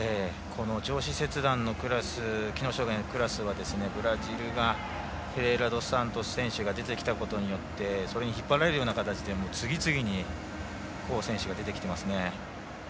上肢切断の機能障がいのクラスはブラジルがフェレイラドスサントス選手が出てきたことによってそれに引っ張られる形で次々にいい選手が出てきていますね。